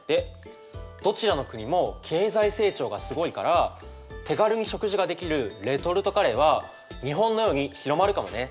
どちらの国も経済成長がすごいから手軽に食事ができるレトルトカレーは日本のように広まるかもね。